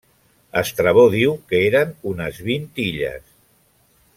Estrabó diu que eren unes vint illes.